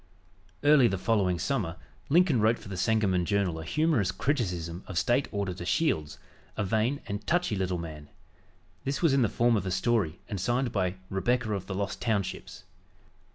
Early the following summer Lincoln wrote for the Sangamon Journal a humorous criticism of State Auditor Shields, a vain and "touchy" little man. This was in the form of a story and signed by "Rebecca of the Lost Townships."